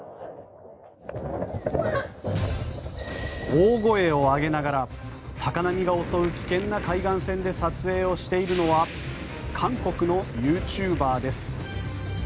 大声を上げながら高波が襲う危険な海岸線で撮影をしているのは韓国のユーチューバーです。